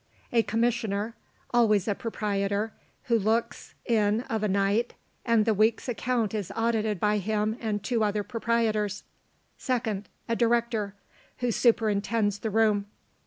A COMMISSIONER, always a proprietor, who looks in of a night; and the week's account is audited by him and two other proprietors. 2nd. A DIRECTOR, who superintends the room.